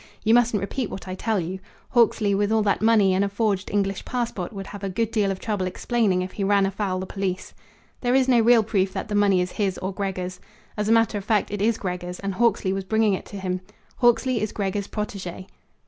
You mustn't repeat what I tell you. Hawksley, with all that money and a forged English passport, would have a good deal of trouble explaining if he ran afoul the police. There is no real proof that the money is his or Gregor's. As a matter of fact, it is Gregor's, and Hawksley was bringing it to him. Hawksley is Gregor's protege."